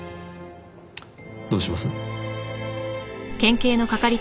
どうします？